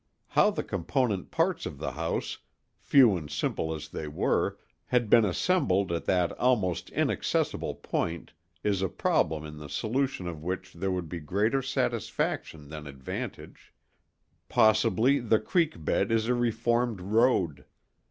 How the component parts of the house, few and simple as they were, had been assembled at that almost inaccessible point is a problem in the solution of which there would be greater satisfaction than advantage. Possibly the creek bed is a reformed road.